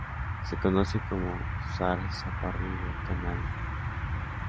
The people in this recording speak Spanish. Se conoce como "zarzaparrilla canaria".